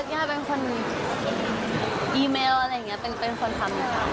ย่าเป็นคนอีเมลอะไรอย่างนี้เป็นคนทำค่ะ